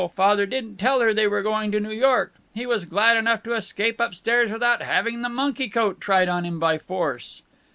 Father didn't tell her they were going to New York. He was glad enough to escape up stairs without having the monkey coat tried on him by force.